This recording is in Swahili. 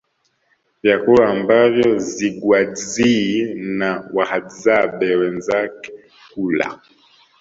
Vyakula ambavyo Zigwadzee na Wahadzabe wenzake hula